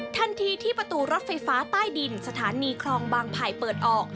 ทันทีที่ประตูรถไฟฟ้าใต้ดินสถานีคลองบางไผ่เปิดออก